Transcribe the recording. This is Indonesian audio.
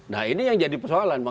nah ini yang jadi persoalan